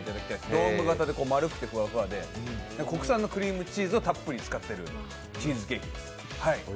ドーム型で丸くてふわふわで国産のクリームチーズをたっぷり使っているチーズケーキです。